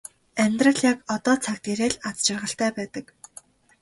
Амьдрал яг одоо цаг дээр л аз жаргалтай байдаг.